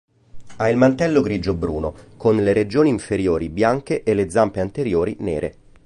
Ha il mantello grigio-bruno con le regioni inferiori bianche e le zampe anteriori nere.